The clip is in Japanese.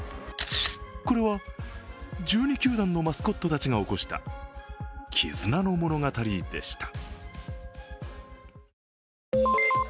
これは１２球団のマスコットたちが起こした絆の物語でした。